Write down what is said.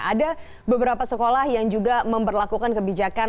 ada beberapa sekolah yang juga memperlakukan kebijakan